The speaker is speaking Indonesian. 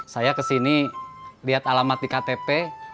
saya ke sini lihat alamat di ktp